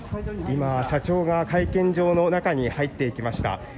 今、社長が会見場の中に入っていきました。